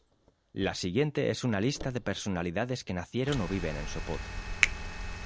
La siguiente es una lista de personalidades que nacieron o viven en Sopot.